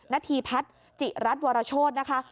ณฑีพัฒน์จิรัฐวรโชธนะคะ